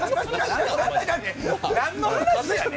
なんの話やねん！